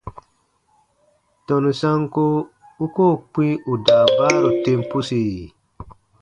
Tɔnu sanko u koo kpĩ ù daabaaru tem pusi?